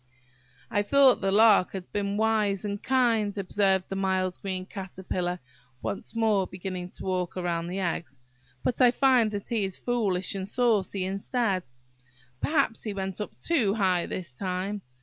"I thought the Lark had been wise and kind," observed the mild green Caterpillar, once more beginning to walk round the eggs, "but I find that he is foolish and saucy instead. Perhaps he went up too high this time.